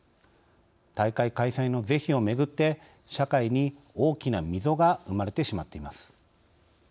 大会開催の是非をめぐって社会に大きな溝が生まれてしまっています。